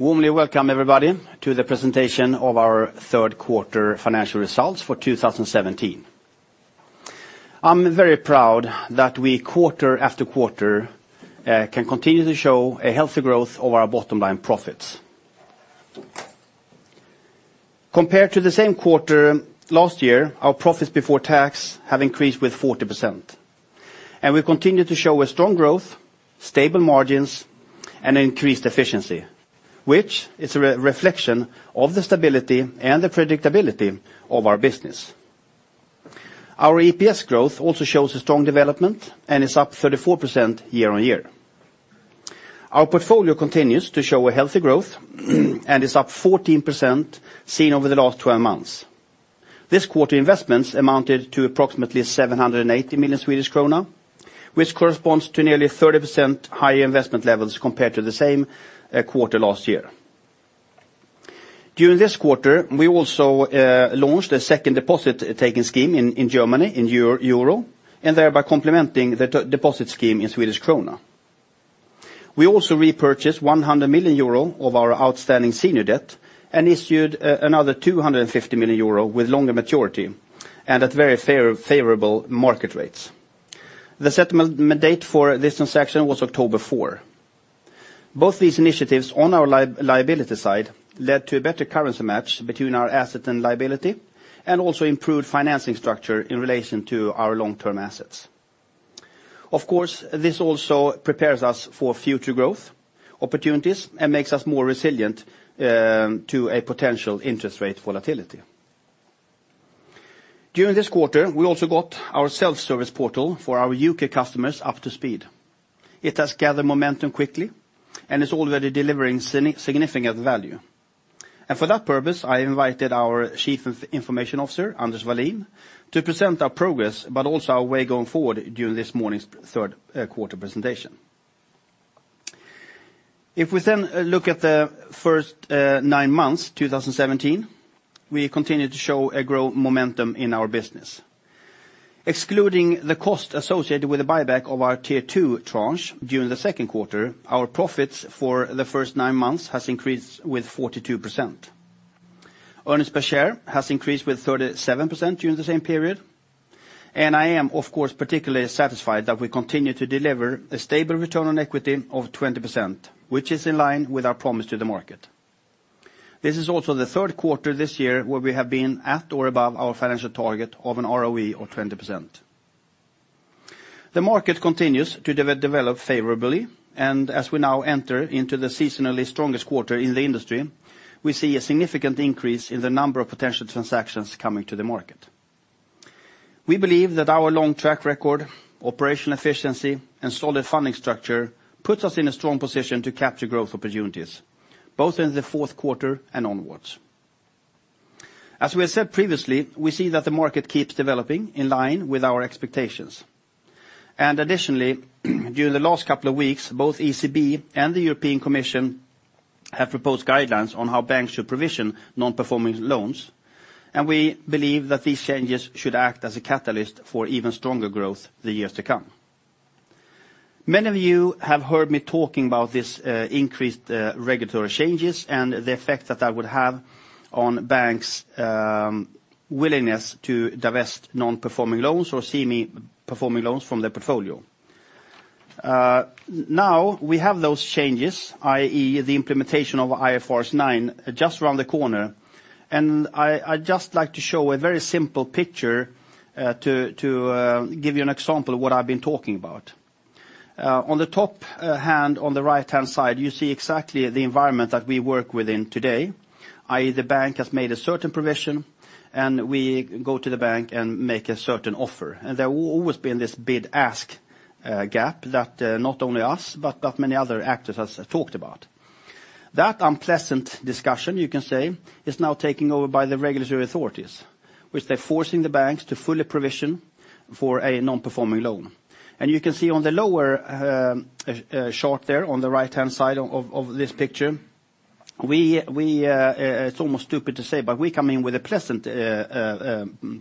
Warmly welcome, everybody, to the presentation of our third quarter financial results for 2017. I am very proud that we quarter after quarter can continue to show a healthy growth of our bottom-line profits. Compared to the same quarter last year, our profits before tax have increased with 40% and we continue to show a strong growth, stable margins, and increased efficiency, which is a reflection of the stability and the predictability of our business. Our EPS growth also shows a strong development and is up 34% year-on-year. Our portfolio continues to show a healthy growth and is up 14% seen over the last 12 months. This quarter, investments amounted to approximately 780 million Swedish krona, which corresponds to nearly 30% higher investment levels compared to the same quarter last year. During this quarter, we also launched a second deposit-taking scheme in Germany in euro, thereby complementing the deposit scheme in Swedish krona. We also repurchased 100 million euro of our outstanding senior debt and issued another 250 million euro with longer maturity and at very favorable market rates. The settlement date for this transaction was October 4. Both these initiatives on our liability side led to a better currency match between our asset and liability, and also improved financing structure in relation to our long-term assets. Of course, this also prepares us for future growth opportunities and makes us more resilient to a potential interest rate volatility. During this quarter, we also got our self-service portal for our U.K. customers up to speed. It has gathered momentum quickly and is already delivering significant value. For that purpose, I invited our Chief Information Officer, Anders Wallin, to present our progress, but also our way going forward during this morning's third quarter presentation. If we look at the first nine months 2017, we continue to show a growth momentum in our business. Excluding the cost associated with the buyback of our Tier 2 tranche during the second quarter, our profits for the first nine months has increased with 42%. Earnings per share has increased with 37% during the same period, and I am of course particularly satisfied that we continue to deliver a stable return on equity of 20%, which is in line with our promise to the market. This is also the third quarter this year where we have been at or above our financial target of an ROE of 20%. The market continues to develop favorably, and as we now enter into the seasonally strongest quarter in the industry, we see a significant increase in the number of potential transactions coming to the market. We believe that our long track record, operational efficiency, and solid funding structure puts us in a strong position to capture growth opportunities both in the fourth quarter and onwards. As we have said previously, we see that the market keeps developing in line with our expectations. Additionally, during the last couple of weeks, both ECB and the European Commission have proposed guidelines on how banks should provision non-performing loans, and we believe that these changes should act as a catalyst for even stronger growth in the years to come. Many of you have heard me talking about this increased regulatory changes and the effect that that would have on banks' willingness to divest non-performing loans or semi-performing loans from their portfolio. Now we have those changes, i.e. the implementation of IFRS 9 just around the corner, and I'd just like to show a very simple picture to give you an example of what I've been talking about. On the top hand, on the right-hand side, you see exactly the environment that we work within today, i.e. the bank has made a certain provision and we go to the bank and make a certain offer. There will always been this bid-ask gap that not only us, but that many other actors have talked about. That unpleasant discussion, you can say, is now taken over by the regulatory authorities, which they're forcing the banks to fully provision for a non-performing loan. You can see on the lower chart there on the right-hand side of this picture, it's almost stupid to say, but we come in with a pleasant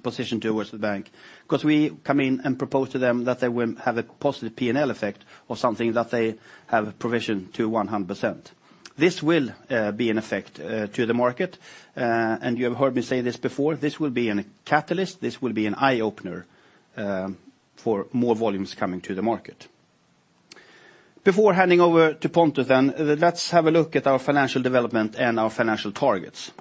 position towards the bank because we come in and propose to them that they will have a positive P&L effect of something that they have provisioned to 100%. This will be in effect to the market, and you have heard me say this before, this will be a catalyst, this will be an eye-opener for more volumes coming to the market. Before handing over to Pontus, then let's have a look at our financial development and our financial targets.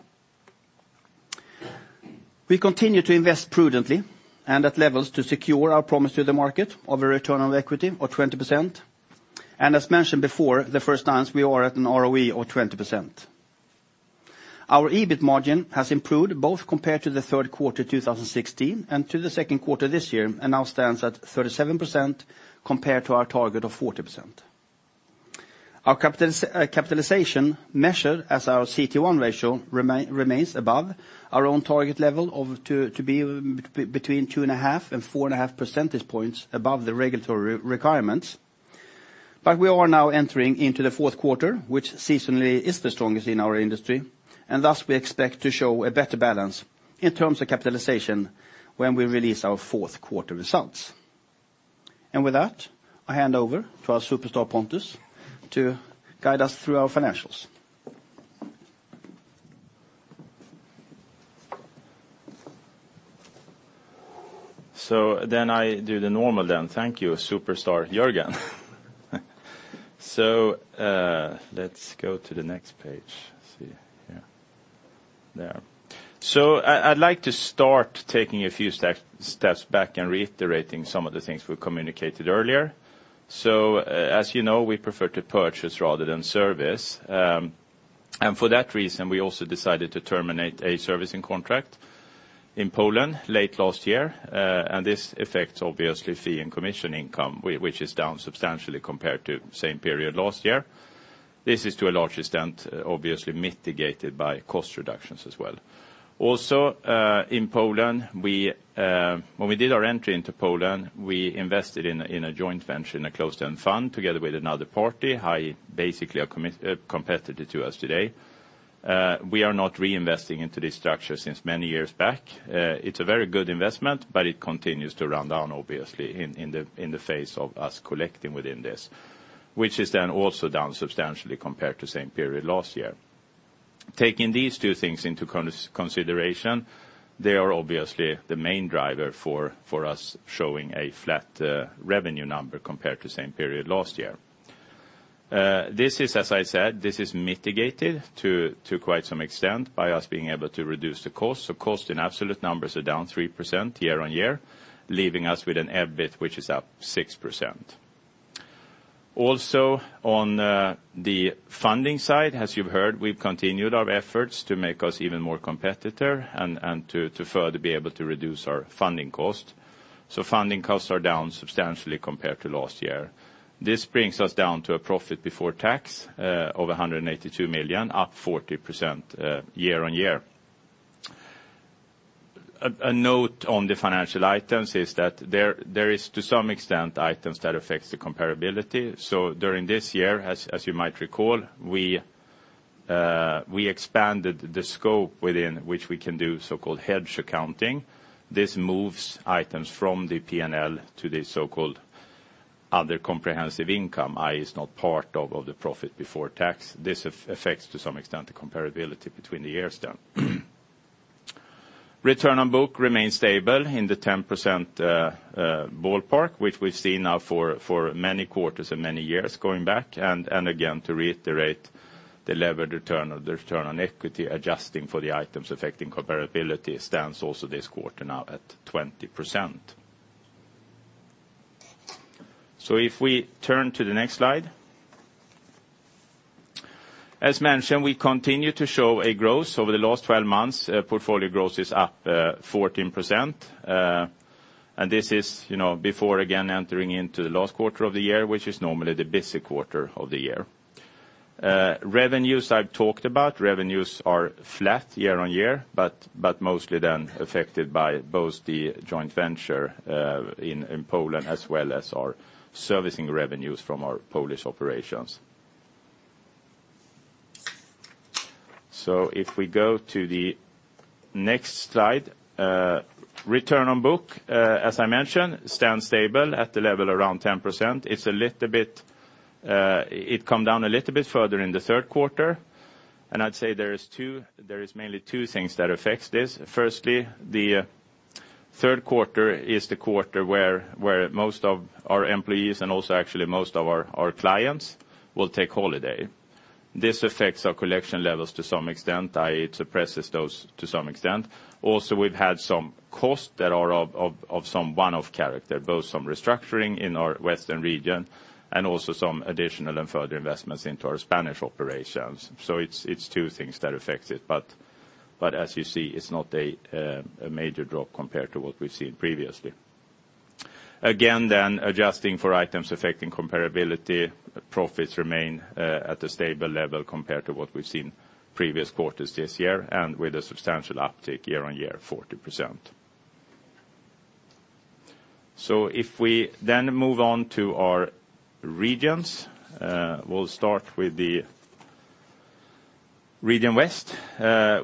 We continue to invest prudently and at levels to secure our promise to the market of a return on equity of 20%. As mentioned before, the first time we are at an ROE of 20%. Our EBIT margin has improved both compared to the third quarter 2016 and to the second quarter this year, and now stands at 37% compared to our target of 40%. Our capitalization measured as our CET1 ratio remains above our own target level to be between 2.5 and 4.5 percentage points above the regulatory requirements. We are now entering into the fourth quarter, which seasonally is the strongest in our industry. Thus we expect to show a better balance in terms of capitalization when we release our fourth quarter results. With that, I hand over to our superstar Pontus to guide us through our financials. I do the normal then. Thank you, superstar Jörgen. Let's go to the next page. See here. There. I'd like to start taking a few steps back and reiterating some of the things we communicated earlier. As you know, we prefer to purchase rather than service. For that reason, we also decided to terminate a servicing contract in Poland late last year. This affects obviously fee and commission income, which is down substantially compared to same period last year. This is to a large extent obviously mitigated by cost reductions as well. Also, in Poland, when we did our entry into Poland, we invested in a joint venture in a closed-end fund together with another party, basically a competitor to us today. We are not reinvesting into this structure since many years back. It's a very good investment. It continues to run down obviously in the face of us collecting within this, which is then also down substantially compared to same period last year. Taking these two things into consideration, they are obviously the main driver for us showing a flat revenue number compared to same period last year. This is, as I said, this is mitigated to quite some extent by us being able to reduce the cost. Cost in absolute numbers are down 3% year-on-year, leaving us with an EBIT which is up 6%. Also on the funding side, as you've heard, we've continued our efforts to make us even more competitor and to further be able to reduce our funding cost. Funding costs are down substantially compared to last year. This brings us down to a profit before tax of 182 million, up 40% year-on-year. A note on the financial items is that there is to some extent items that affects the comparability. During this year, as you might recall, we expanded the scope within which we can do so-called hedge accounting. This moves items from the P&L to the so-called other comprehensive income, i.e., is not part of the profit before tax. This affects to some extent the comparability between the years then. Return on book remains stable in the 10% ballpark, which we've seen now for many quarters and many years going back, and again, to reiterate the levered return or the return on equity adjusting for the items affecting comparability stands also this quarter now at 20%. If we turn to the next slide. As mentioned, we continue to show a growth. Over the last 12 months, portfolio growth is up 14%. This is before, again, entering into the last quarter of the year, which is normally the busy quarter of the year. Revenues I've talked about, revenues are flat year-on-year, but mostly then affected by both the joint venture in Poland as well as our servicing revenues from our Polish operations. If we go to the next slide. Return on book, as I mentioned, stands stable at the level around 10%. It come down a little bit further in the third quarter, and I'd say there is mainly two things that affects this. Firstly, the third quarter is the quarter where most of our employees and also actually most of our clients will take holiday. This affects our collection levels to some extent, i.e., it suppresses those to some extent. Also, we've had some costs that are of some one-off character, both some restructuring in our Western region and also some additional and further investments into our Spanish operations. It's two things that affect it. As you see, it's not a major drop compared to what we've seen previously. Again then, adjusting for items affecting comparability, profits remain at a stable level compared to what we've seen previous quarters this year and with a substantial uptick year-on-year, 40%. If we then move on to our regions, we'll start with the region West.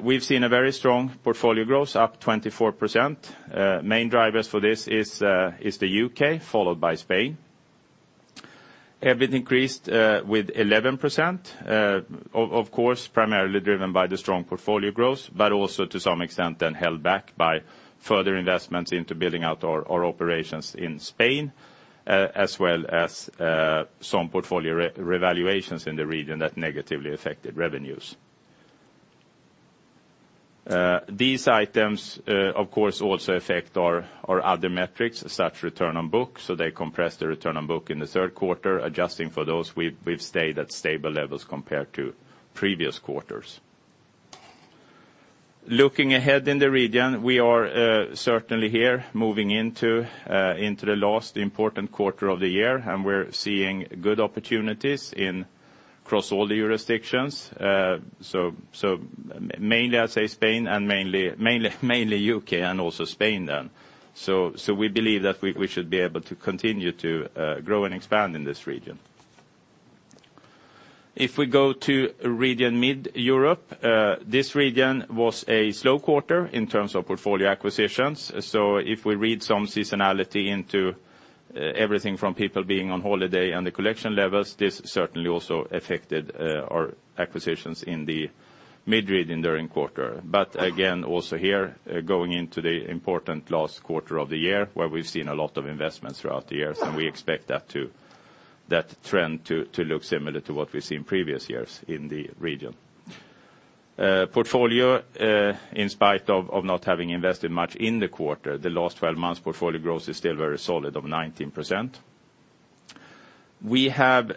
We've seen a very strong portfolio growth, up 24%. Main drivers for this is the U.K. followed by Spain. EBIT increased with 11%, of course, primarily driven by the strong portfolio growth, but also to some extent then held back by further investments into building out our operations in Spain as well as some portfolio revaluations in the region that negatively affected revenues. These items, of course, also affect our other metrics, such return on book, so they compress the return on book in the third quarter. Adjusting for those, we've stayed at stable levels compared to previous quarters. Looking ahead in the region, we are certainly here moving into the last important quarter of the year, and we're seeing good opportunities across all the jurisdictions. Mainly I'd say Spain and mainly U.K. and also Spain then. We believe that we should be able to continue to grow and expand in this region If we go to region Mid Europe, this region was a slow quarter in terms of portfolio acquisitions. If we read some seasonality into everything from people being on holiday and the collection levels, this certainly also affected our acquisitions in the Mid region during quarter. Again, also here, going into the important last quarter of the year, where we've seen a lot of investments throughout the years, and we expect that trend to look similar to what we've seen previous years in the region. Portfolio, in spite of not having invested much in the quarter, the last 12 months portfolio growth is still very solid of 19%. We have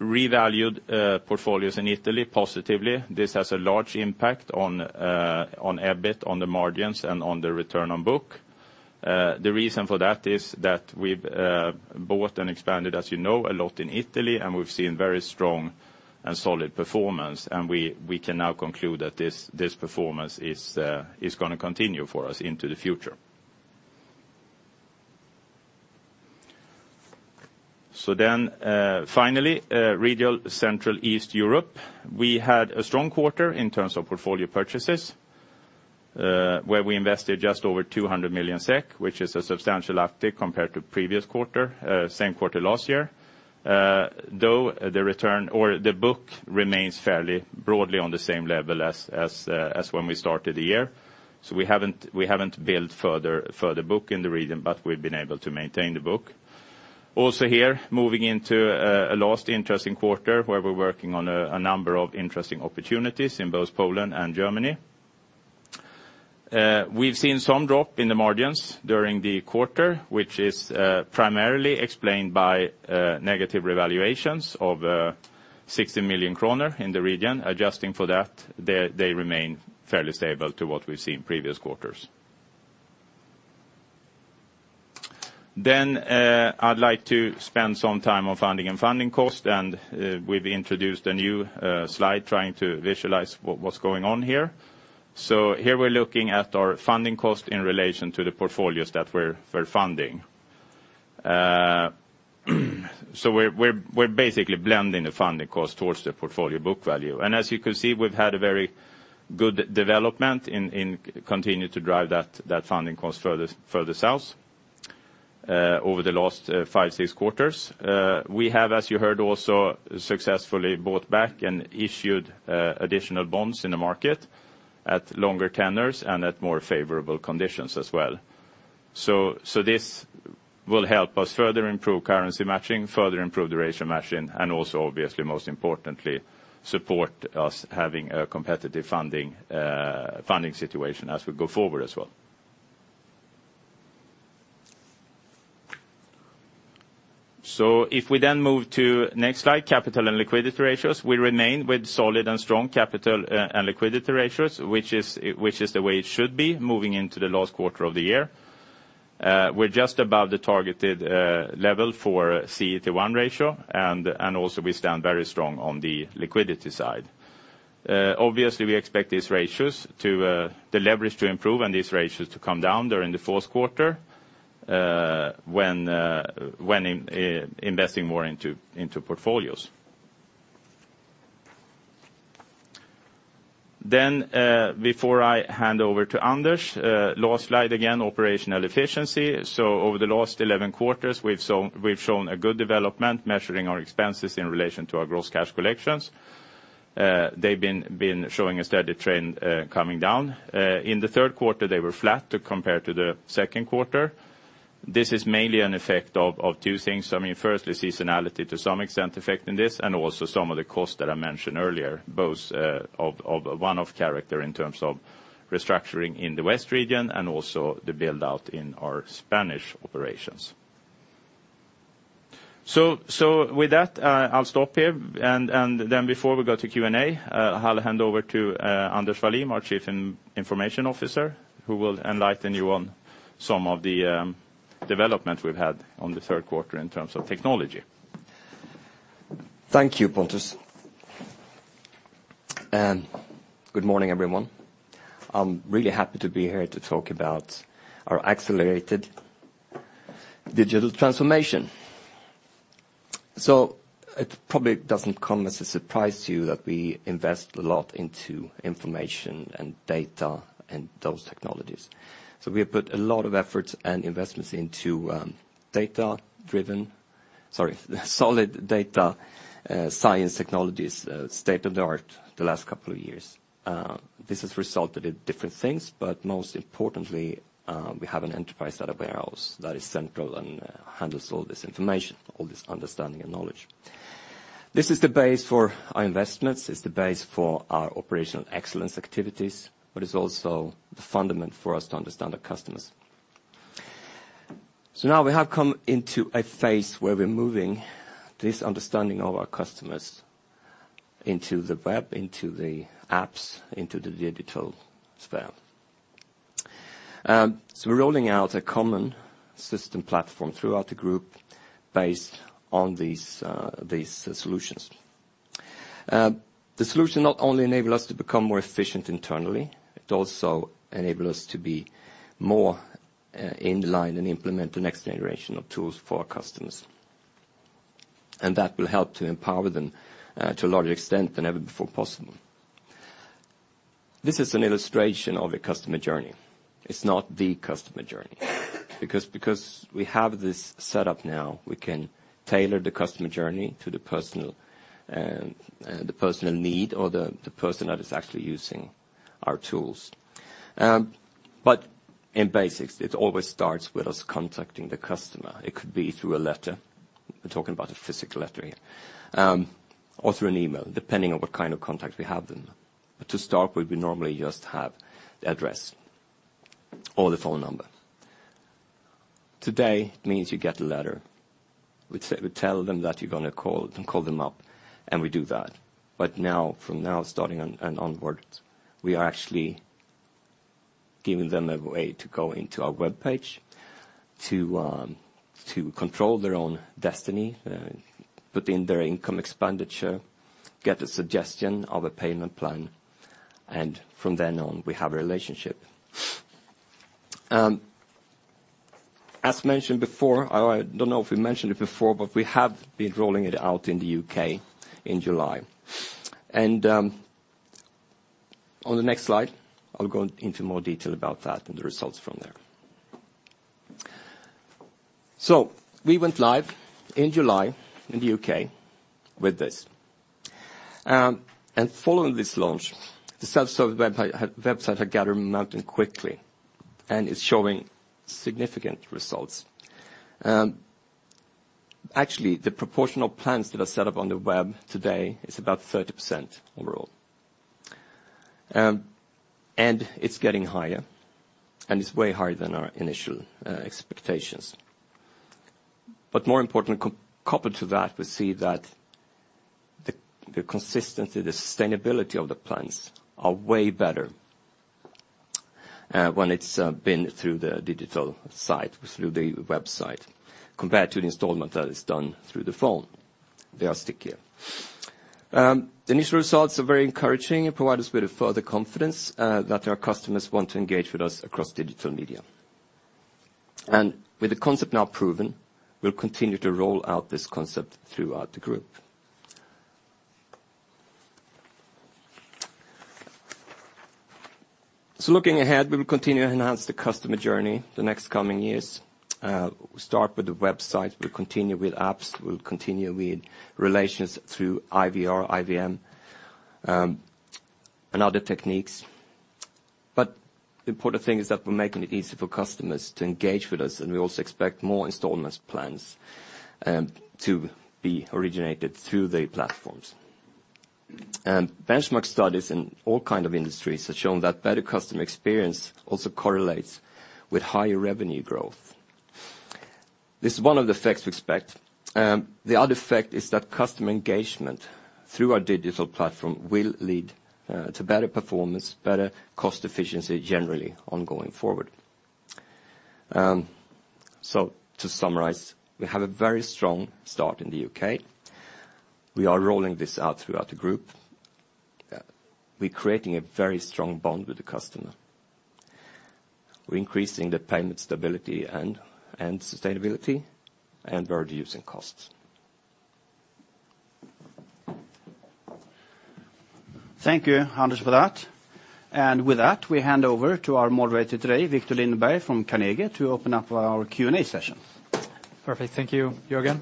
revalued portfolios in Italy positively. This has a large impact on EBIT, on the margins, and on the return on book. The reason for that is that we've bought and expanded, as you know, a lot in Italy, and we've seen very strong and solid performance, and we can now conclude that this performance is going to continue for us into the future. Finally, regional Central East Europe. We had a strong quarter in terms of portfolio purchases, where we invested just over 200 million SEK, which is a substantial uptick compared to previous quarter, same quarter last year. Though the return or the book remains fairly broadly on the same level as when we started the year. We haven't built further book in the region, but we've been able to maintain the book. Also here, moving into a last interesting quarter where we're working on a number of interesting opportunities in both Poland and Germany. We've seen some drop in the margins during the quarter, which is primarily explained by negative revaluations of 60 million kronor in the region. Adjusting for that, they remain fairly stable to what we've seen previous quarters. I'd like to spend some time on funding and funding cost, and we've introduced a new slide trying to visualize what was going on here. Here we're looking at our funding cost in relation to the portfolios that we're funding. We're basically blending the funding cost towards the portfolio book value. As you can see, we've had a very good development and continue to drive that funding cost further south over the last five, six quarters. We have, as you heard, also successfully bought back and issued additional bonds in the market at longer tenors and at more favorable conditions as well. This will help us further improve currency matching, further improve duration matching, and also obviously most importantly, support us having a competitive funding situation as we go forward as well. If we then move to next slide, capital and liquidity ratios. We remain with solid and strong capital and liquidity ratios, which is the way it should be moving into the last quarter of the year. We're just above the targeted level for CET1 ratio, and also we stand very strong on the liquidity side. Obviously, we expect the leverage to improve and these ratios to come down during the fourth quarter when investing more into portfolios. Before I hand over to Anders, last slide again, operational efficiency. Over the last 11 quarters, we've shown a good development measuring our expenses in relation to our gross cash collections. They've been showing a steady trend coming down. In the third quarter, they were flat compared to the second quarter. This is mainly an effect of two things. Firstly, seasonality to some extent affecting this, and also some of the costs that I mentioned earlier, both of one-off character in terms of restructuring in the West region and also the build-out in our Spanish operations. With that, I'll stop here. Before we go to Q&A, I'll hand over to Anders Wallin, our Chief Information Officer, who will enlighten you on some of the development we've had on the third quarter in terms of technology. Thank you, Pontus. Good morning, everyone. I'm really happy to be here to talk about our accelerated digital transformation. It probably doesn't come as a surprise to you that we invest a lot into information and data and those technologies. We have put a lot of efforts and investments into solid data science technologies, state of the art the last couple of years. This has resulted in different things, but most importantly, we have an enterprise data warehouse that is central and handles all this information, all this understanding and knowledge. This is the base for our investments, it's the base for our operational excellence activities, but it's also the fundament for us to understand our customers. Now we have come into a phase where we're moving this understanding of our customers into the web, into the apps, into the digital sphere. We're rolling out a common system platform throughout the group based on these solutions. The solution not only enable us to become more efficient internally, it also enable us to be more in line and implement the next generation of tools for our customers. That will help to empower them to a larger extent than ever before possible. This is an illustration of a customer journey. It's not the customer journey. Because we have this set up now, we can tailor the customer journey to the personal need or the person that is actually using our tools. In basics, it always starts with us contacting the customer. It could be through a letter, we're talking about a physical letter here, or through an email, depending on what kind of contact we have them. To start with, we normally just have the address or the phone number. Today, it means you get a letter, we tell them that you're going to call, and call them up, and we do that. From now, starting onward, we are actually giving them a way to go into our webpage to control their own destiny, put in their income expenditure, get a suggestion of a payment plan, and from then on, we have a relationship. As mentioned before, I don't know if we mentioned it before, but we have been rolling it out in the U.K. in July. On the next slide, I'll go into more detail about that and the results from there. We went live in July in the U.K. with this. Following this launch, the self-serve website had gathered momentum quickly, and is showing significant results. Actually, the proportional plans that are set up on the web today is about 30% overall. It's getting higher, and it's way higher than our initial expectations. More importantly, coupled to that, we see that the consistency, the sustainability of the plans are way better when it's been through the digital site, through the website, compared to the installment that is done through the phone. They are stickier. The initial results are very encouraging and provide us with further confidence that our customers want to engage with us across digital media. With the concept now proven, we'll continue to roll out this concept throughout the group. Looking ahead, we will continue to enhance the customer journey the next coming years. We start with the website, we'll continue with apps, we'll continue with relations through IVR, IVM, and other techniques. The important thing is that we're making it easy for customers to engage with us, and we also expect more installment plans to be originated through the platforms. Benchmark studies in all kind of industries have shown that better customer experience also correlates with higher revenue growth. This is one of the effects we expect. The other effect is that customer engagement through our digital platform will lead to better performance, better cost efficiency generally ongoing forward. To summarize, we have a very strong start in the U.K. We are rolling this out throughout the group. We're creating a very strong bond with the customer. We're increasing the payment stability and sustainability, and we're reducing costs. Thank you, Anders, for that. With that, we hand over to our moderator today, Victor Lindberg from Carnegie, to open up our Q&A session. Perfect. Thank you, Jörgen.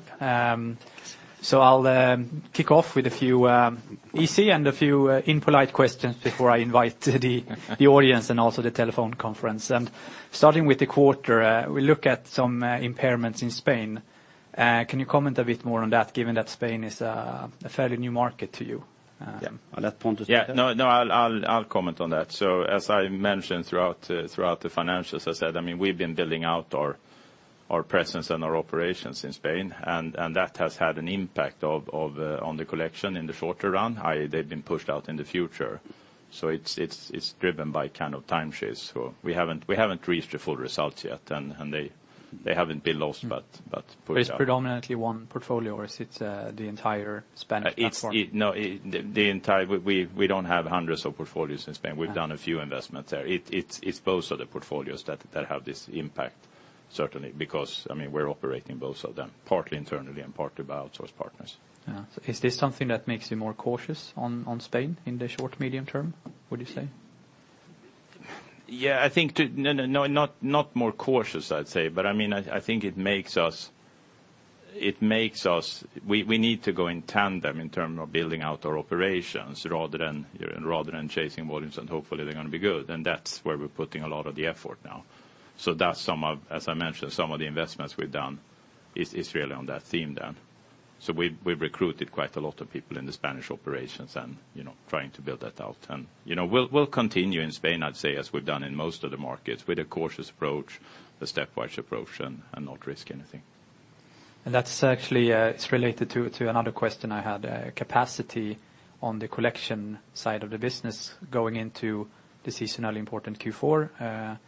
I'll kick off with a few easy and a few impolite questions before I invite the audience and also the telephone conference. Starting with the quarter, we look at some impairments in Spain. Can you comment a bit more on that, given that Spain is a fairly new market to you? Yeah. I'll let Pontus take that. Yeah. No, I'll comment on that. As I mentioned throughout the financials, I said, we've been building out our presence and our operations in Spain, and that has had an impact on the collection in the shorter run, i.e., they've been pushed out in the future. It's driven by time shifts. We haven't reached the full results yet, and they haven't been lost, but pushed out. It's predominantly one portfolio, or is it the entire Spanish platform? No, we don't have hundreds of portfolios in Spain. We've done a few investments there. It's both of the portfolios that have this impact, certainly, because we're operating both of them, partly internally and partly by outsource partners. Is this something that makes you more cautious on Spain in the short, medium term, would you say? Yeah. No, not more cautious, I'd say, but I think we need to go in terms of building out our operations rather than chasing volumes and hopefully they're going to be good. That's where we're putting a lot of the effort now. As I mentioned, some of the investments we've done is really on that theme then. We've recruited quite a lot of people in the Spanish operations and trying to build that out. We'll continue in Spain, I'd say, as we've done in most of the markets with a cautious approach, a stepwise approach, and not risk anything. That's actually related to another question I had. Capacity on the collection side of the business going into the seasonally important Q4,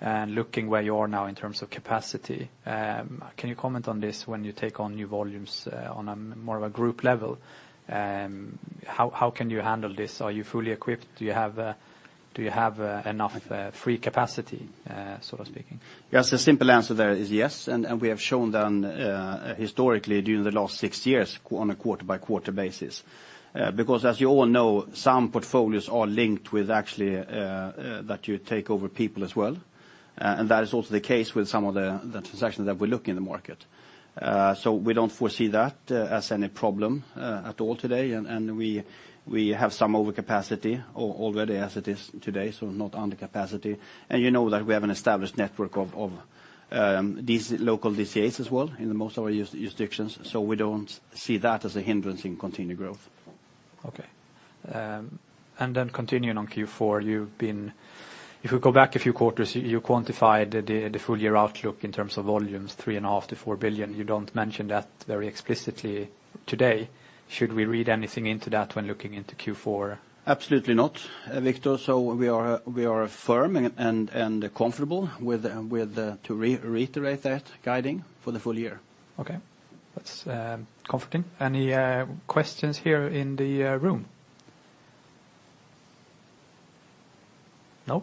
and looking where you are now in terms of capacity. Can you comment on this when you take on new volumes on more of a group level? How can you handle this? Are you fully equipped? Do you have enough free capacity, so to speak? Yes, the simple answer there is yes. We have shown historically during the last six years on a quarter-by-quarter basis. As you all know, some portfolios are linked with actually that you take over people as well, and that is also the case with some of the transactions that we look in the market. We don't foresee that as any problem at all today. We have some overcapacity already as it is today, not under capacity. You know that we have an established network of these local DCAs as well in the most of our jurisdictions. We don't see that as a hindrance in continued growth. Okay. Continuing on Q4, if we go back a few quarters, you quantified the full-year outlook in terms of volumes, 3.5 billion-4 billion. You don't mention that very explicitly today. Should we read anything into that when looking into Q4? Absolutely not, Victor. We are firm and comfortable to reiterate that guiding for the full year. Okay. That's comforting. Any questions here in the room? No?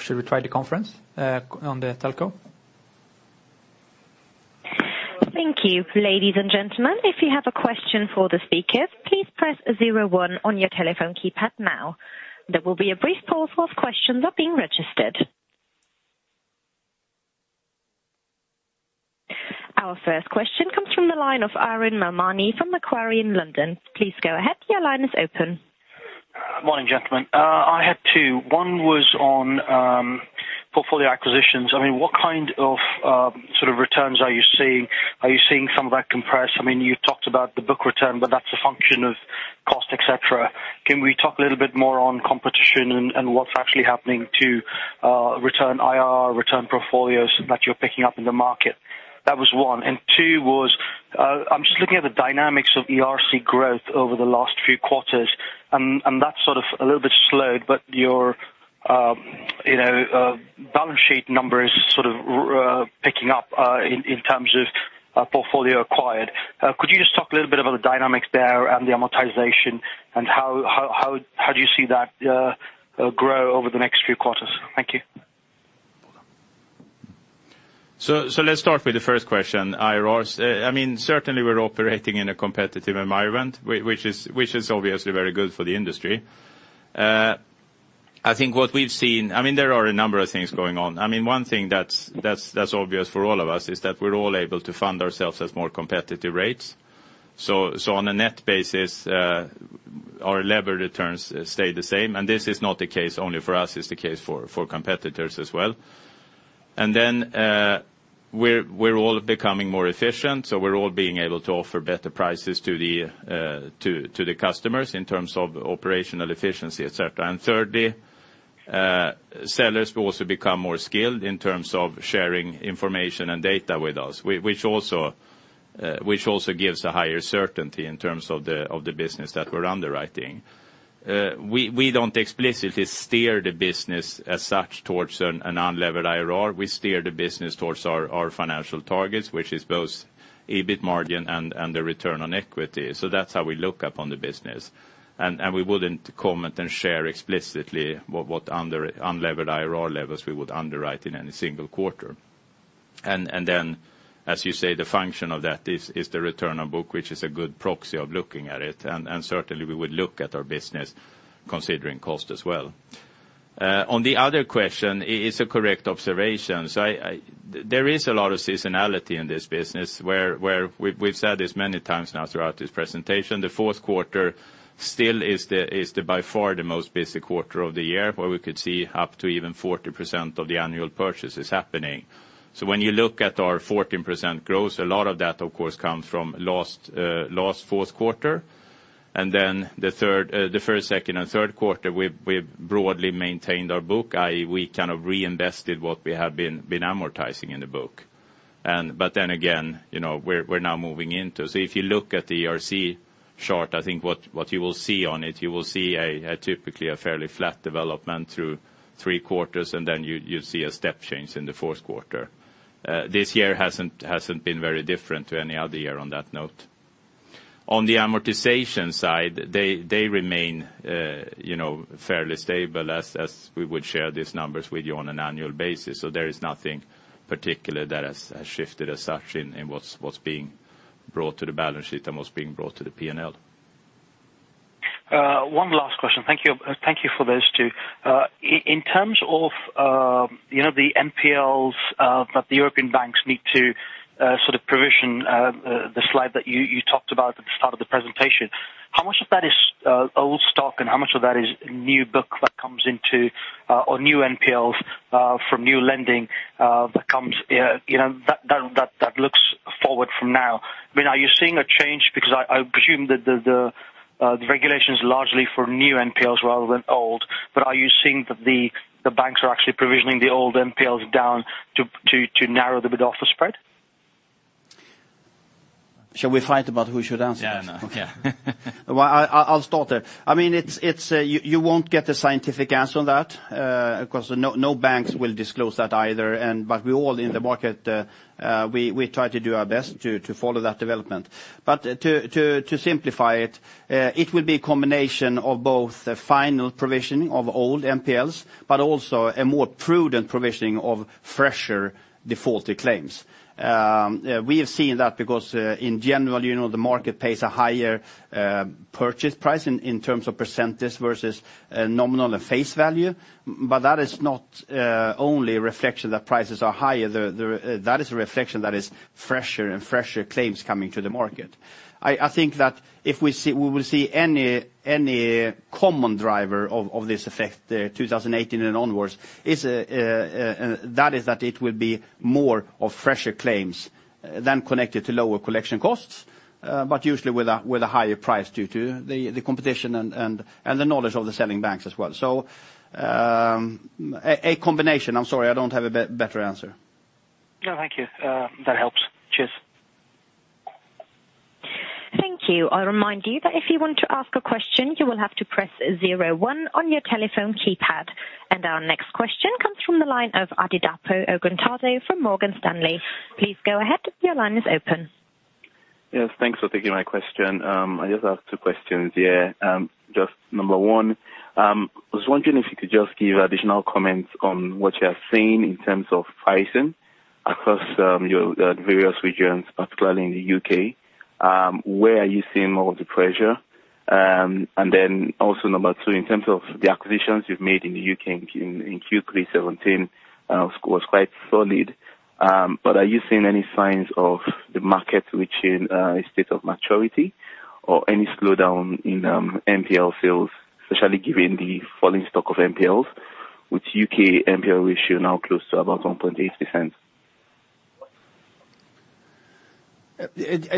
Should we try the conference on the telco? Thank you. Ladies and gentlemen, if you have a question for the speakers, please press 01 on your telephone keypad now. There will be a brief pause while questions are being registered. Our first question comes from the line of Arun Melmane from Macquarie in London. Please go ahead. Your line is open. Morning, gentlemen. I had two. One was on portfolio acquisitions. What kind of returns are you seeing? Are you seeing some of that compress? You talked about the return on book, but that's a function of cost, et cetera. Can we talk a little bit more on competition and what's actually happening to return IRR, return portfolios that you're picking up in the market? That was one. Two was, I'm just looking at the dynamics of ERC growth over the last few quarters, that sort of a little bit slowed, your balance sheet number is sort of picking up in terms of portfolio acquired. Could you just talk a little bit about the dynamics there and the amortization and how do you see that grow over the next few quarters? Thank you. Let's start with the first question, IRRs. Certainly we're operating in a competitive environment, which is obviously very good for the industry. I think what we've seen, there are a number of things going on. One thing that's obvious for all of us is that we're all able to fund ourselves at more competitive rates. On a net basis, our levered returns stay the same, this is not the case only for us, it's the case for competitors as well. Then we're all becoming more efficient, we're all being able to offer better prices to the customers in terms of operational efficiency, et cetera. Thirdly, sellers will also become more skilled in terms of sharing information and data with us, which also gives a higher certainty in terms of the business that we're underwriting. We don't explicitly steer the business as such towards an unlevered IRR. We steer the business towards our financial targets, which is both EBIT margin and the return on equity. That's how we look upon the business. We wouldn't comment and share explicitly what unlevered IRR levels we would underwrite in any single quarter. Then, as you say, the function of that is the return on book, which is a good proxy of looking at it, certainly we would look at our business considering cost as well. On the other question, it's a correct observation. There is a lot of seasonality in this business where we've said this many times now throughout this presentation, the fourth quarter still is by far the most busy quarter of the year, where we could see up to even 40% of the annual purchases happening. When you look at our 14% growth, a lot of that, of course, comes from last fourth quarter. The first, second, and third quarter, we've broadly maintained our book, i.e., we kind of reinvested what we have been amortizing in the book. We're now moving into the ERC chart, I think what you will see on it, you will see typically a fairly flat development through three quarters, and then you see a step change in the fourth quarter. This year hasn't been very different to any other year on that note. On the amortization side, they remain fairly stable as we would share these numbers with you on an annual basis. There is nothing particular that has shifted as such in what's being brought to the balance sheet and what's being brought to the P&L. One last question. Thank you for those two. In terms of the NPLs that the European banks need to sort of provision, the slide that you talked about at the start of the presentation, how much of that is old stock and how much of that is new book that comes into or new NPLs from new lending that looks forward from now? Are you seeing a change? I presume that the regulation is largely for new NPLs rather than old. Are you seeing that the banks are actually provisioning the old NPLs down to narrow the bid-offer spread? Shall we fight about who should answer that? Yeah. I'll start it. You won't get a scientific answer on that because no banks will disclose that either. We all in the market, we try to do our best to follow that development. To simplify it will be a combination of both the final provisioning of old NPLs, but also a more prudent provisioning of fresher defaulted claims. We have seen that because, in general, the market pays a higher purchase price in terms of percentages versus nominal and face value. That is not only a reflection that prices are higher, that is a reflection that is fresher and fresher claims coming to the market. I think that if we will see any common driver of this effect, the 2018 and onwards, that is that it will be more of fresher claims than connected to lower collection costs. Usually with a higher price due to the competition and the knowledge of the selling banks as well. A combination. I'm sorry, I don't have a better answer. Thank you. That helps. Cheers. Thank you. I remind you that if you want to ask a question, you will have to press zero one on your telephone keypad. Our next question comes from the line of Adedapo Oguntade from Morgan Stanley. Please go ahead. Your line is open. Thanks for taking my question. I just have two questions here. Number one, I was wondering if you could just give additional comments on what you have seen in terms of pricing across your various regions, particularly in the U.K. Where are you seeing all the pressure? Also number two, in terms of the acquisitions you've made in the U.K. in Q3 2017, was quite solid. Are you seeing any signs of the market reaching a state of maturity? Or any slowdown in NPL sales, especially given the falling stock of NPL? Which U.K. NPL ratio now close to about 1.8%?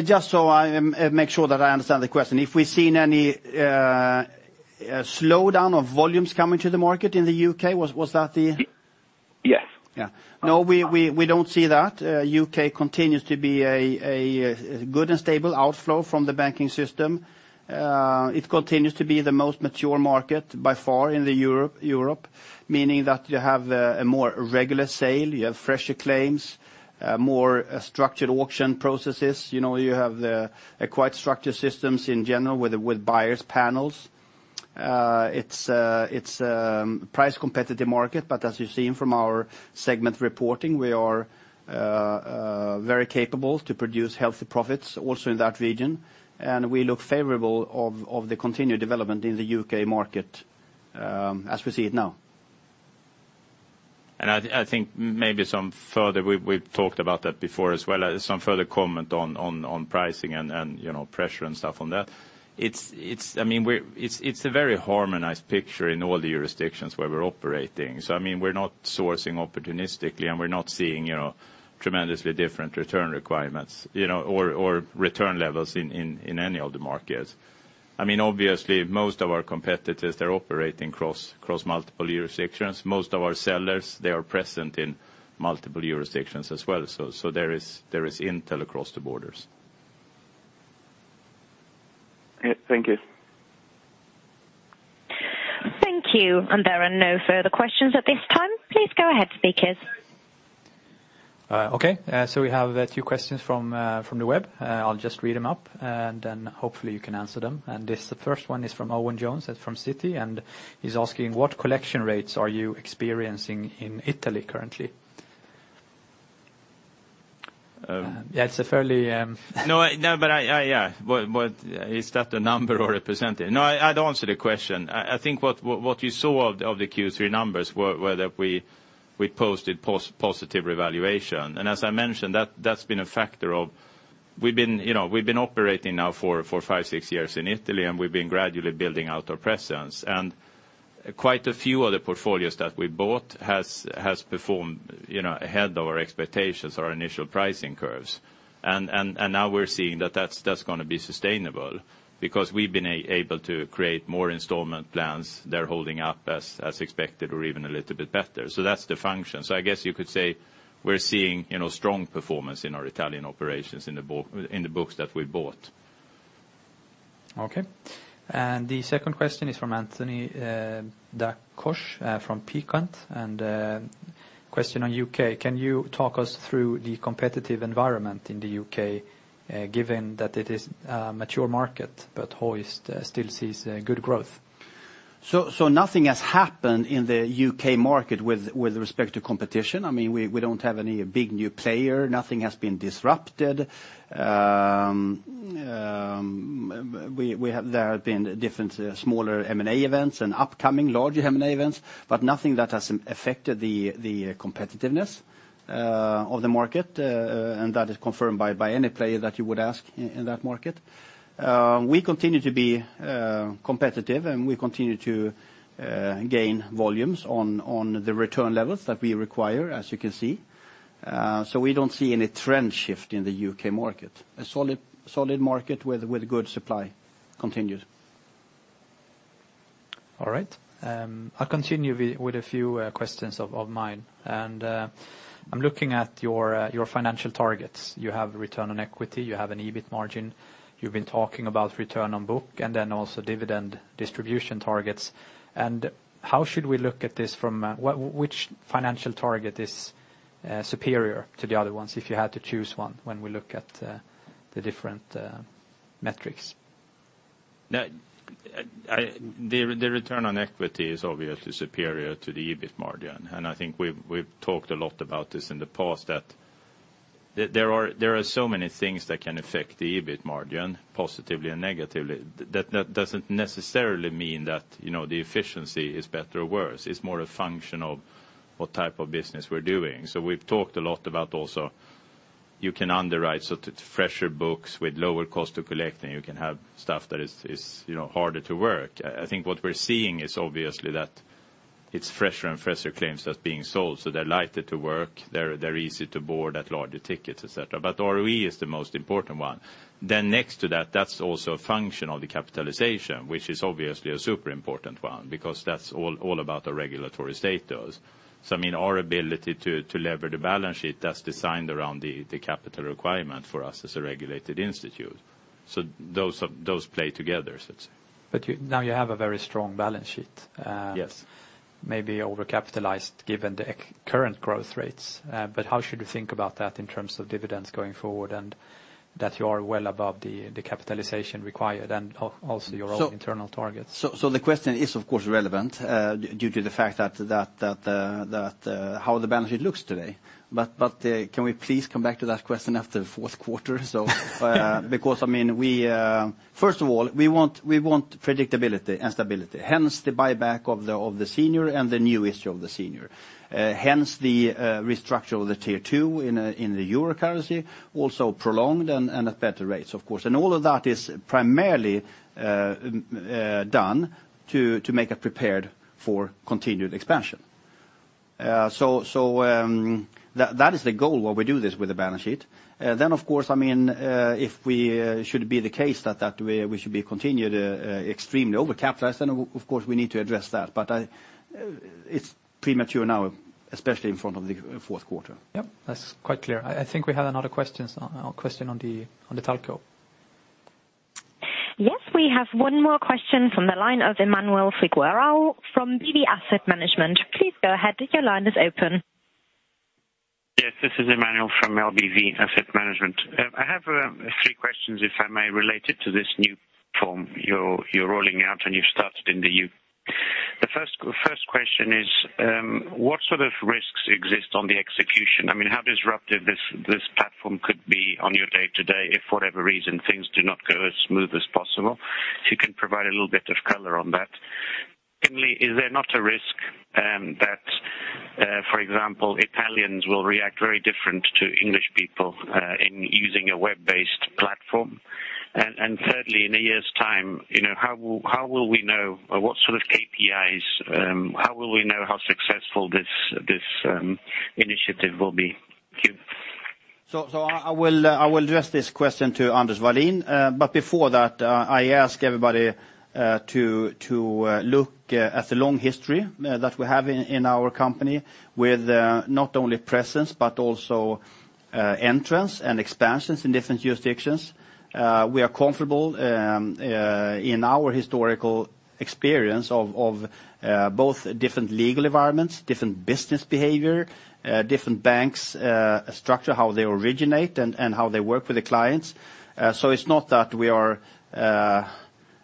Just so I make sure that I understand the question. If we're seeing any slowdown of volumes coming to the market in the U.K., was that? Yes. Yeah. No, we don't see that. U.K. continues to be a good and stable outflow from the banking system. It continues to be the most mature market by far in Europe, meaning that you have a more regular sale, you have fresher claims, more structured auction processes. You have quite structured systems in general with buyers panels. It's a price competitive market, but as you've seen from our segment reporting, we are very capable to produce healthy profits also in that region. We look favorable of the continued development in the U.K. market, as we see it now. I think maybe we've talked about that before as well, some further comment on pricing and pressure and stuff on that. It's a very harmonized picture in all the jurisdictions where we're operating. We're not sourcing opportunistically, and we're not seeing tremendously different return requirements or return levels in any of the markets. Obviously, most of our competitors, they're operating across multiple jurisdictions. Most of our sellers, they are present in multiple jurisdictions as well. There is intel across the borders. Thank you. Thank you. There are no further questions at this time. Please go ahead, speakers. Okay, we have a few questions from the web. I'll just read them up, then hopefully you can answer them. The first one is from Owen Jones from Citi, and he's asking, what collection rates are you experiencing in Italy currently? That's a fairly No, yeah. Is that a number or a percentage? No, I'd answer the question. I think what you saw of the Q3 numbers were that we posted positive revaluation. As I mentioned, that's been a factor of we've been operating now for five, six years in Italy, and we've been gradually building out our presence. Quite a few of the portfolios that we bought has performed ahead of our expectations, our initial pricing curves. Now we're seeing that that's going to be sustainable because we've been able to create more installment plans. They're holding up as expected or even a little bit better. That's the function. I guess you could say we're seeing strong performance in our Italian operations in the books that we bought. Okay. The second question is from Anthony Da Costa from PIMCO, and a question on U.K. Can you talk us through the competitive environment in the U.K., given that it is a mature market but Hoist still sees good growth? Nothing has happened in the U.K. market with respect to competition. We don't have any big new player. Nothing has been disrupted. There have been different smaller M&A events and upcoming larger M&A events, but nothing that has affected the competitiveness of the market. That is confirmed by any player that you would ask in that market. We continue to be competitive, and we continue to gain volumes on the return levels that we require, as you can see. We don't see any trend shift in the U.K. market. A solid market with good supply continued. All right. I'll continue with a few questions of mine. I'm looking at your financial targets. You have return on equity, you have an EBIT margin. You've been talking about return on book, and then also dividend distribution targets. How should we look at this from? Which financial target is superior to the other ones if you had to choose one when we look at the different metrics? The return on equity is obviously superior to the EBIT margin, and I think we've talked a lot about this in the past, that there are so many things that can affect the EBIT margin positively and negatively. That doesn't necessarily mean that the efficiency is better or worse. It's more a function of what type of business we're doing. We've talked a lot about also, you can underwrite fresher books with lower cost to collect, and you can have stuff that is harder to work. I think what we're seeing is obviously that it's fresher and fresher claims that's being sold, so they're lighter to work, they're easy to board at larger tickets, et cetera. ROE is the most important one. Next to that's also a function of the capitalization, which is obviously a super important one because that's all about the regulatory status. Our ability to lever the balance sheet that's designed around the capital requirement for us as a regulated institute. Those play together, I'd say. Now you have a very strong balance sheet. Yes. Maybe over-capitalized given the current growth rates. How should we think about that in terms of dividends going forward, and that you are well above the capitalization required and also your own internal targets? The question is, of course, relevant due to the fact that how the balance sheet looks today. Can we please come back to that question after the fourth quarter? First of all, we want predictability and stability, hence the buyback of the senior and the new issue of the senior. Hence the restructure of the Tier 2 in the euro currency, also prolonged and at better rates, of course. All of that is primarily done to make it prepared for continued expansion. That is the goal while we do this with the balance sheet. Of course, if we should be the case that we should be continued extremely over-capitalized, then of course we need to address that. It's premature now, especially in front of the fourth quarter. Yep, that's quite clear. I think we have another question on the telco. Yes, we have one more question from the line of Emmanuel Figueroa from BBVA Asset Management. Please go ahead. Your line is open. Yes, this is Emmanuel from BBVA Asset Management. I have three questions, if I may, related to this new form you're rolling out and you've started in the U.K. The first question is, what sort of risks exist on the execution? How disruptive this platform could be on your day to day if for whatever reason things do not go as smooth as possible? If you can provide a little bit of color on that. Secondly, is there not a risk that, for example, Italians will react very different to English people in using a web-based platform? Thirdly, in a year's time, how will we know or what sort of KPIs, how will we know how successful this initiative will be? Thank you. I will address this question to Anders Wallin. Before that, I ask everybody to look at the long history that we have in our company with not only presence but also entrance and expansions in different jurisdictions. We are comfortable in our historical experience of both different legal environments, different business behavior, different banks structure, how they originate, and how they work with the clients. It's not that we are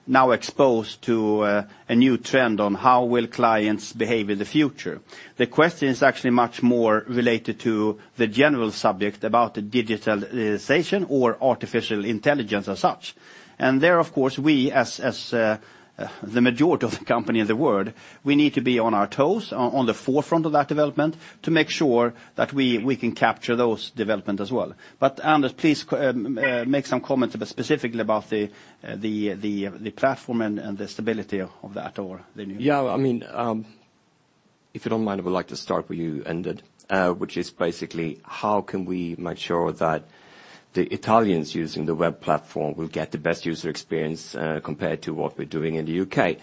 now exposed to a new trend on how will clients behave in the future. The question is actually much more related to the general subject about digitalization or artificial intelligence as such. There, of course, we, as the majority of the company in the world, we need to be on our toes, on the forefront of that development to make sure that we can capture those development as well. Anders, please make some comments specifically about the platform and the stability of that or the. Yeah, if you don't mind, I would like to start where you ended, which is basically how can we make sure that the Italians using the web platform will get the best user experience compared to what we're doing in the U.K.?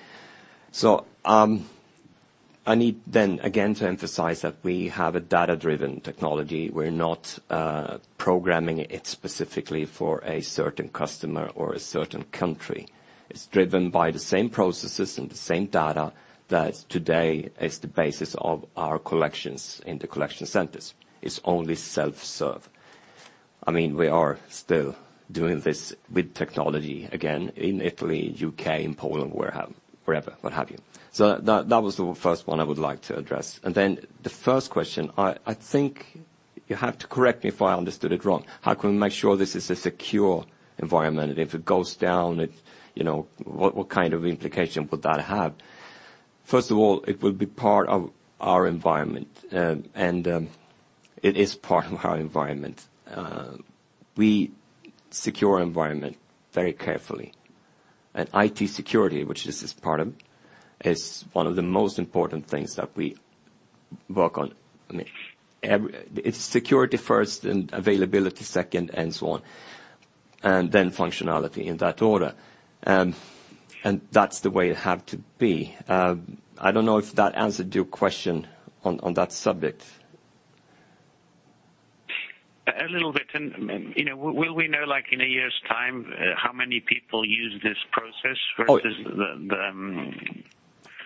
I need then again to emphasize that we have a data-driven technology. We're not programming it specifically for a certain customer or a certain country. It is driven by the same processes and the same data that today is the basis of our collections in the collection centers. It is only self-serve. We are still doing this with technology, again, in Italy, U.K., in Poland, wherever, what have you. That was the first one I would like to address. Then the first question, I think you have to correct me if I understood it wrong. How can we make sure this is a secure environment? If it goes down, what kind of implication would that have? First of all, it will be part of our environment, and it is part of our environment. We secure environment very carefully. IT security, which this is part of, is one of the most important things that we work on. It is security first, then availability second, and so on. Then functionality in that order. That is the way it have to be. I don't know if that answered your question on that subject. A little bit. Will we know in a year's time how many people use this process versus the.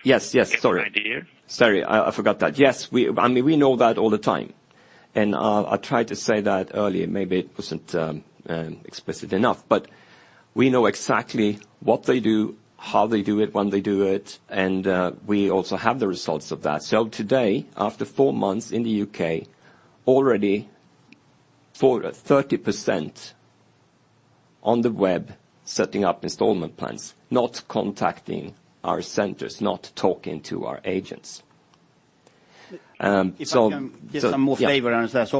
Yes, sorry. Any idea? Sorry, I forgot that. Yes, we know that all the time. I tried to say that earlier, maybe it wasn't explicit enough. We know exactly what they do, how they do it, when they do it, and we also have the results of that. Today, after four months in the U.K., already 30% on the web setting up installment plans, not contacting our centers, not talking to our agents. If I can give some more flavor on that.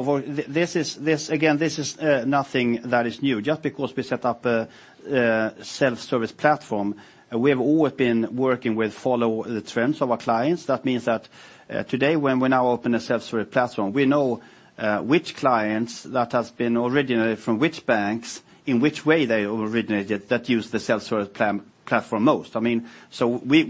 Yeah. Again, this is nothing that is new. Just because we set up a self-service platform, we have always been working with follow the trends of our clients. That means that today, when we now open a self-service platform, we know which clients that has been originated from which banks, in which way they originated that use the self-service platform most. We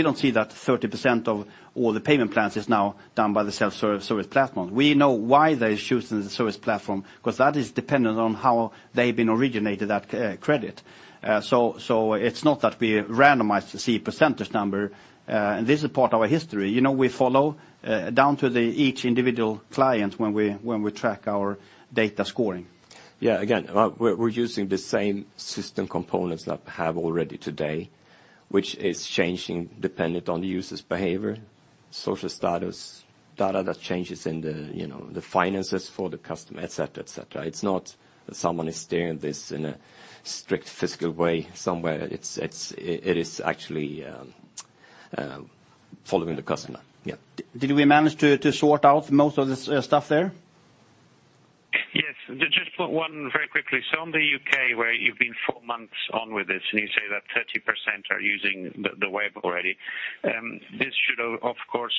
don't see that 30% of all the payment plans is now done by the self-service platform. We know why they're choosing the service platform, because that is dependent on how they've been originated that credit. It's not that we randomize the percentage number. This is part of our history. We follow down to the each individual client when we track our data scoring. Yeah. Again, we're using the same system components that we have already today, which is changing dependent on the user's behavior, social status, data that changes in the finances for the customer, et cetera. It's not someone is doing this in a strict fiscal way somewhere. It is actually following the customer. Yeah. Did we manage to sort out most of the stuff there? Yes. Just one very quickly. In the U.K. where you've been four months on with this, and you say that 30% are using the web already, this should, of course,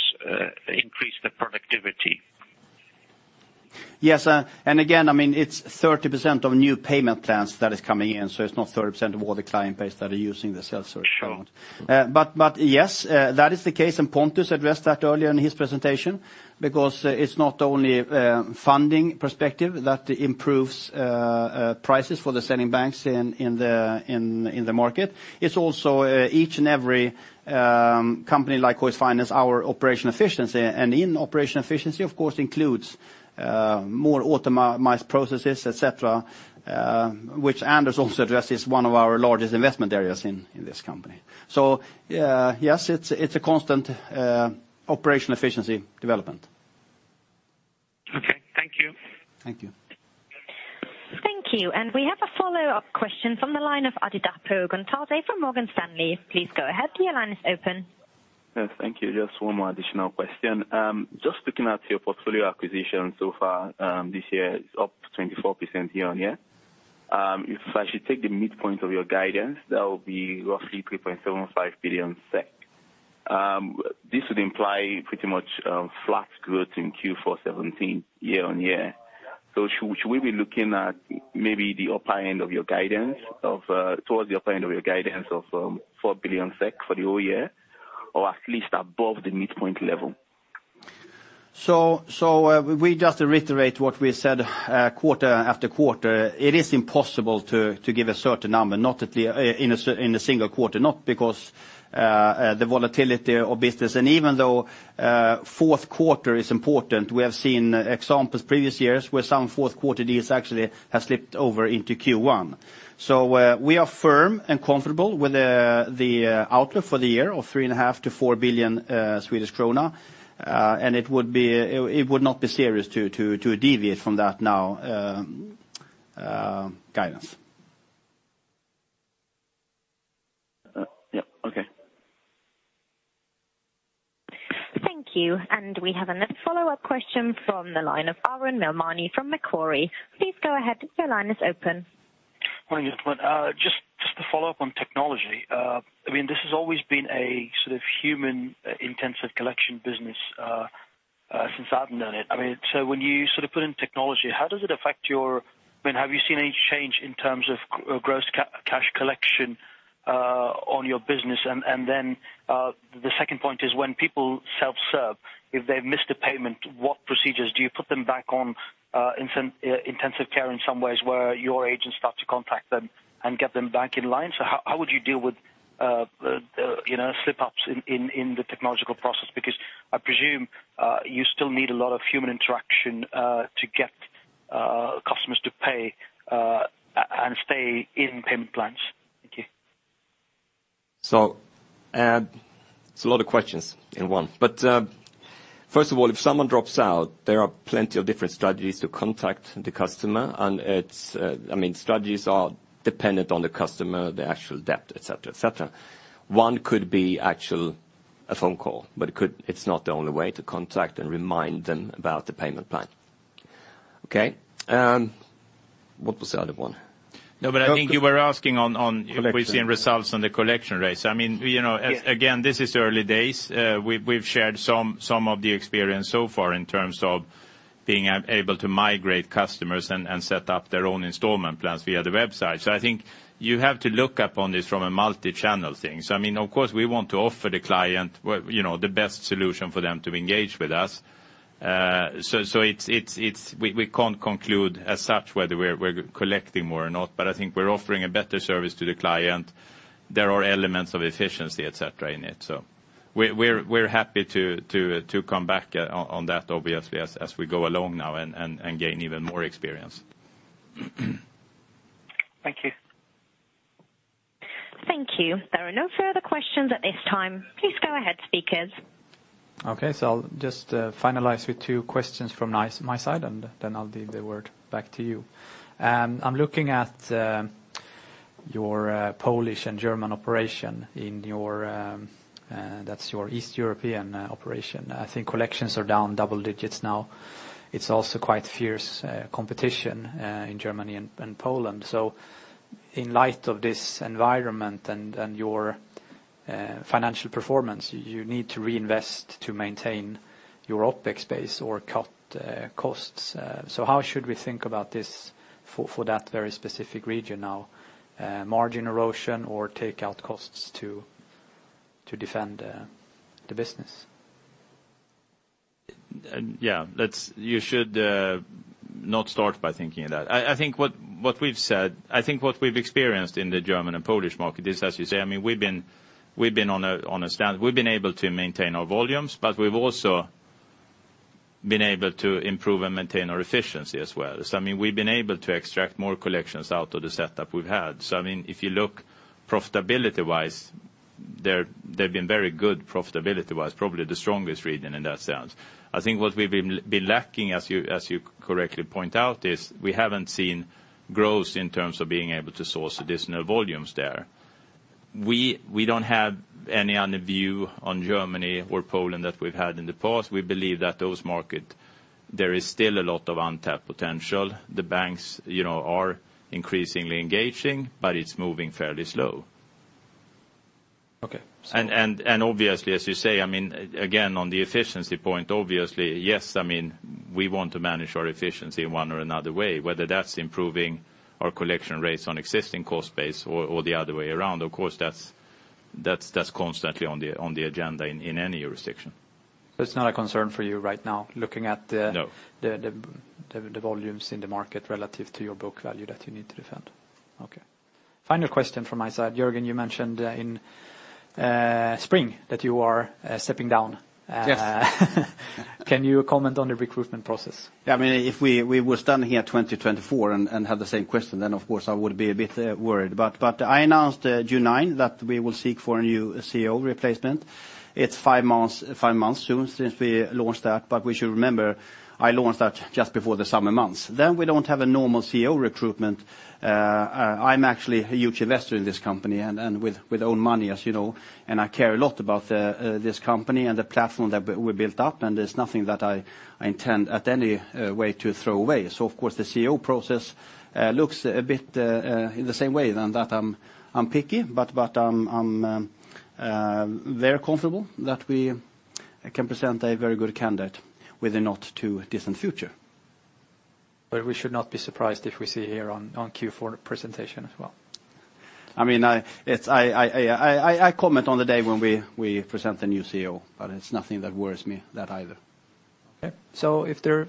increase the productivity. Yes. Again, it's 30% of new payment plans that is coming in, so it's not 30% of all the client base that are using the self-service. Sure. Yes, that is the case, and Pontus addressed that earlier in his presentation, because it's not only funding perspective that improves prices for the sending banks in the market. It's also each and every company like Hoist Finance, our operation efficiency. In operation efficiency, of course, includes more optimized processes, et cetera, which Anders also addressed is one of our largest investment areas in this company. Yes, it's a constant operational efficiency development. Okay. Thank you. Thank you. Thank you. We have a follow-up question from the line of Adedapo Oguntade from Morgan Stanley. Please go ahead. Your line is open. Yes. Thank you. Just one more additional question. Just looking at your portfolio acquisition so far this year is up 24% year-over-year. If I should take the midpoint of your guidance, that will be roughly 3.75 billion SEK. This would imply pretty much flat growth in Q4 2017 year-over-year. Should we be looking at maybe the upper end of your guidance of, towards the upper end of your guidance of 4 billion SEK for the whole year, or at least above the midpoint level? We just reiterate what we said quarter after quarter. It is impossible to give a certain number in a single quarter, not because the volatility of business, and even though fourth quarter is important. We have seen examples previous years where some fourth quarter deals actually have slipped over into Q1. We are firm and comfortable with the outlook for the year of three and a half to 4 billion Swedish krona. It would not be serious to deviate from that now guidance. Yep. Okay. Thank you. We have another follow-up question from the line of Arun Mermani from Macquarie. Please go ahead. Your line is open. Good morning, gentlemen. Just to follow up on technology. This has always been a human-intensive collection business since I've known it. When you put in technology, how does it affect? Have you seen any change in terms of gross cash collection on your business? The second point is when people self-serve, if they've missed a payment, what procedures do you put them back on intensive care in some ways where your agents start to contact them and get them back in line? How would you deal with slip-ups in the technological process? Because I presume you still need a lot of human interaction to get customers to pay and stay in payment plans. Thank you. It's a lot of questions in one. First of all, if someone drops out, there are plenty of different strategies to contact the customer, and strategies are dependent on the customer, the actual debt, et cetera. One could be actual a phone call, but it's not the only way to contact and remind them about the payment plan. Okay. What was the other one? No, I think you were asking Collection If we've seen results on the collection rates. Again, this is early days. We've shared some of the experience so far in terms of being able to migrate customers and set up their own installment plans via the website. I think you have to look up on this from a multi-channel thing. Of course we want to offer the client the best solution for them to engage with us. We can't conclude as such whether we're collecting more or not, but I think we're offering a better service to the client. There are elements of efficiency, et cetera, in it. We're happy to come back on that obviously as we go along now and gain even more experience. Thank you. Thank you. There are no further questions at this time. Please go ahead, speakers. Okay, I'll just finalize with two questions from my side, and then I'll give the word back to you. I'm looking at your Polish and German operation, that's your East European operation. I think collections are down double digits now. It's also quite fierce competition in Germany and Poland. In light of this environment and your financial performance, you need to reinvest to maintain your OpEx base or cut costs. How should we think about this for that very specific region now? Margin erosion or take out costs to defend the business? You should not start by thinking of that. I think what we've experienced in the German and Polish market is, as you say, we've been able to maintain our volumes, but we've also been able to improve and maintain our efficiency as well. We've been able to extract more collections out of the setup we've had. If you look profitability-wise, they've been very good profitability-wise, probably the strongest region in that sense. I think what we've been lacking as you correctly point out, is we haven't seen growth in terms of being able to source additional volumes there. We don't have any other view on Germany or Poland that we've had in the past. We believe that those market, there is still a lot of untapped potential. The banks are increasingly engaging, but it's moving fairly slow. Okay. Obviously, as you say, again, on the efficiency point, obviously, yes, we want to manage our efficiency in one or another way, whether that's improving our collection rates on existing cost base or the other way around. Of course, that's constantly on the agenda in any jurisdiction. It's not a concern for you right now looking at the. No the volumes in the market relative to your book value that you need to defend. Okay. Final question from my side. Jörgen, you mentioned in spring that you are stepping down. Yes. Can you comment on the recruitment process? If we was done here 2024 and had the same question, of course I would be a bit worried. I announced June 9 that we will seek for a new CEO replacement. It's 5 months soon since we launched that, we should remember I launched that just before the summer months. We don't have a normal CEO recruitment. I'm actually a huge investor in this company and with own money, as you know, and I care a lot about this company and the platform that we built up, and there's nothing that I intend at any way to throw away. Of course, the CEO process looks a bit in the same way than that. I'm picky, I'm very comfortable that we can present a very good candidate within not too distant future. We should not be surprised if we see here on Q4 presentation as well. I comment on the day when we present the new CEO, but it's nothing that worries me that either. Okay. Do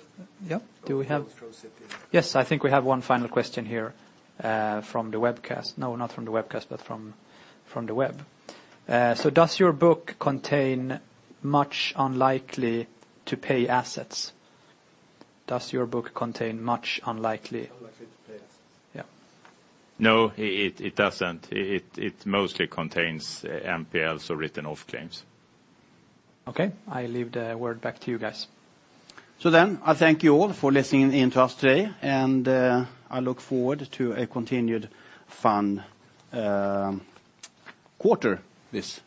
we have. Go sit here. Yes, I think we have one final question here from the webcast. No, not from the webcast, but from the web. Does your book contain much unlikely-to-pay assets? Unlikely-to-pay assets. Yeah. No, it doesn't. It mostly contains NPLs or written-off claims. Okay. I leave the word back to you guys. I thank you all for listening in to us today, and I look forward to a continued fun quarter this time.